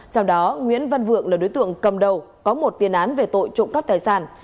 trong đó nguyễn văn vượng là đối tượng cầm đầu có một tiền án về tội trộm cắp tài sản